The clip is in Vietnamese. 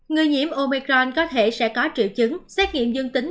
người nhiễm omicron có thể sẽ có triệu chứng xét nghiệm dương tính